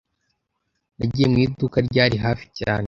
Nagiye mu iduka ryari hafi cyane.